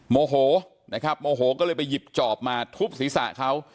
โมโหนะครับโมโหก็เลยไปหยิบจอบมาทุบศีรษะเขา